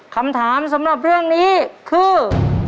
คำถามสำหรับเรื่องนี้คือ